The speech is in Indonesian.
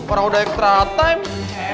orang udah extra time